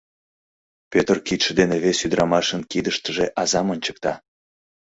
— Пӧтыр кидше дене вес ӱдырамашын кидыштыже азам ончыкта.